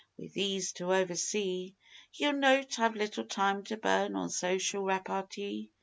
Wi' these to oversee Ye'll note I've little time to burn on social repartee.